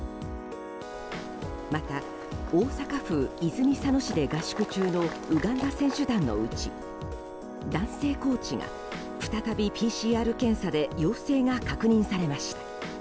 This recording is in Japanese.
また、大阪府泉佐野市で合宿中のウガンダ選手団のうち男性コーチが再びＰＣＲ検査で陽性が確認されました。